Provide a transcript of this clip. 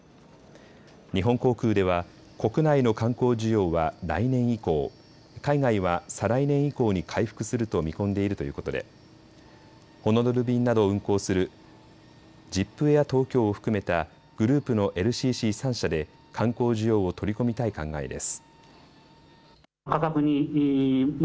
日本航空では国内の観光需要は来年以降、海外は再来年以降に回復すると見込んでいるということでホノルル便などを運航するジップエアトーキョーを含めたグループのＬＣＣ３社で観光需要を取り込みたい考えです。